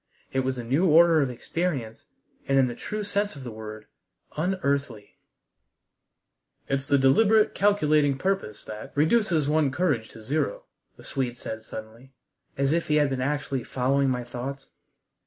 It was a new order of experience, and in the true sense of the word unearthly. "It's the deliberate, calculating purpose that reduces one's courage to zero," the Swede said suddenly, as if he had been actually following my thoughts.